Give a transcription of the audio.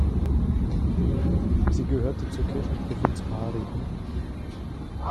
Sie gehörte zur Kirchenprovinz Bari.